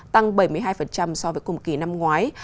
tăng bảy mươi hai so với cùng kỳ năm ngoái